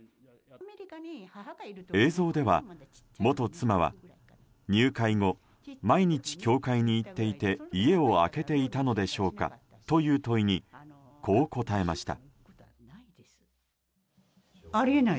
映像では元妻は入会後毎日、教会に行っていて家を空けていたのでしょうかという問いにこう答えました。